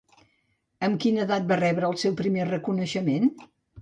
Amb quina edat va rebre el seu primer reconeixement?